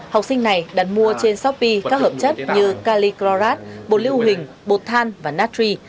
học sinh này đặt mua trên shopee các hợp chất như calicrat bột lưu hình bột than và natri